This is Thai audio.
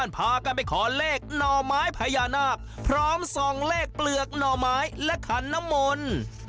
พร้อมส่องเลขเปลือกหน่อไม้และขันน้ำมนต์